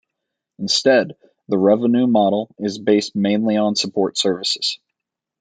Instead, the revenue model is based mainly on support services.